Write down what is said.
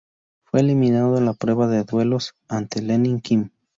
Fue eliminado en la prueba de duelos, ante Lenni-Kim.